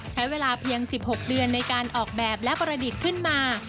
ใช้เวลาเพียง๑๖เดือนในการออกแบบและประดิษฐ์ขึ้นมา